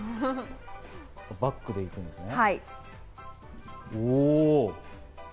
バックで行くんですね。